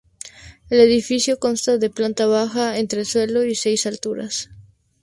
El edificio consta de planta baja, entresuelo y seis alturas.